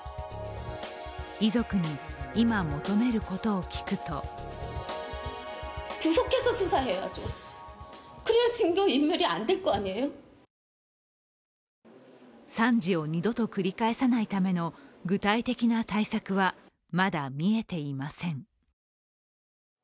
遺族に今、求めることを聞くと惨事を二度と繰り返さないための具体的な対策はまだ見えていません。